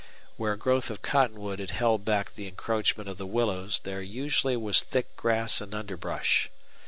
Where a growth of cottonwood had held back the encroachment of the willows there usually was thick grass and underbrush.